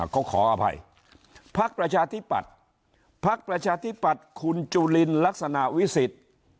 เขาขออภัยพักประชาธิปัตย์พักประชาธิปัตย์คุณจุลินลักษณะวิสิทธิ์